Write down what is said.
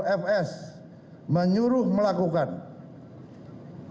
dan diri kita juga terdengan era ini